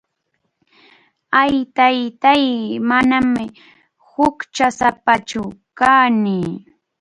Ay, Taytáy, manam huchasapachu kani.